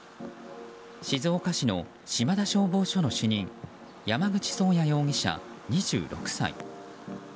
静岡市の島田消防署の主任山口宗谷容疑者、２６歳。